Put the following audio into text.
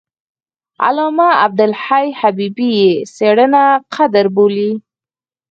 علامه عبدالحي حبیبي یې څېړنه قدر بولي.